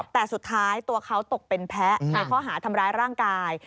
แต่สุดท้ายตัวเขาตกเป็นแพ้ในข้อหาทำร้ายร่างกาย